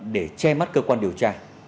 để che mắt cơ quan điều tra